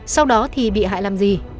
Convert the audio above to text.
sau đó thì bị hại làm gì